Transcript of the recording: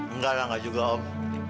enggak enggak juga om